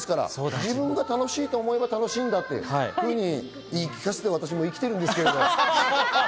自分が楽しいと思えば楽しんだと言い聞かせて、私も生きているんですけれども。